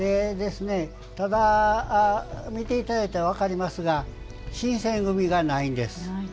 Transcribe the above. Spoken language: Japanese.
ただ、見ていただいたら分かりますが新選組がないんです。